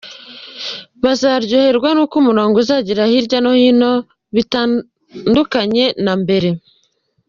Bazaryoherwa n’uko umurongo uzagera hirya no hino, bitandukanye na mbere.